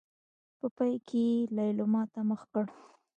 په پای کې يې ليلما ته مخ کړ.